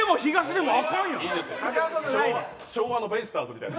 昭和のベイスターズみたいな。